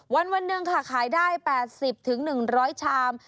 วันหนึ่งค่ะขายได้๘๐๑๐๐ชาม